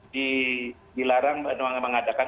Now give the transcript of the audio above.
di bilarang mengadakan